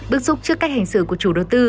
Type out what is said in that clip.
bước xuống trước cách hành xử của chủ đầu tư